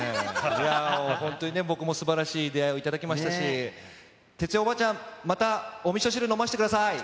いや、本当に僕もすばらしい出会いを頂きましたし、哲代おばあちゃん、またおみそ汁、飲ませてください。